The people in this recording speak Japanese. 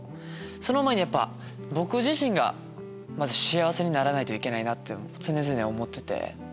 その前に僕自身がまず幸せにならないといけないって常々思ってて。